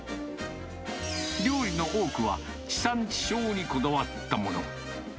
料理の多くは地産地消にこだわったもの。